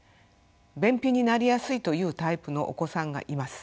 便秘になりやすいというタイプのお子さんがいます。